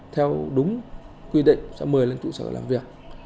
theo đúng quy định sẽ mời lên trụ sở làm việc